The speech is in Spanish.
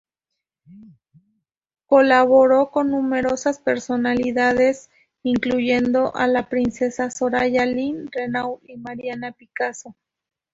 Colaboró con numerosas personalidades, incluyendo a la Princesa Soraya, Line Renaud y Marina Picasso.